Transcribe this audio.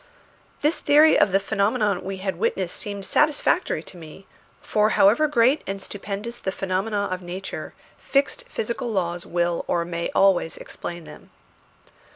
This theory of the phenomena we had witnessed seemed satisfactory to me; for however great and stupendous the phenomena of nature, fixed physical laws will or may always explain them.